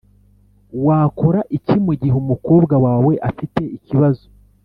Wakora iki mu gihe umukobwa wawe afite ikibazo